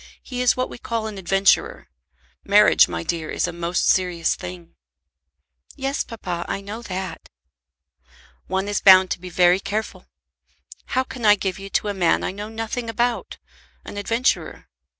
He is what we call an adventurer. Marriage, my dear, is a most serious thing." "Yes, papa, I know that." "One is bound to be very careful. How can I give you to a man I know nothing about, an adventurer?